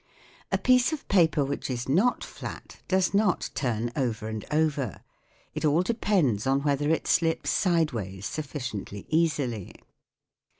A piece of paper which is not flat does not turn over and over : it all depends on whether it slips sideways sufficiently easily.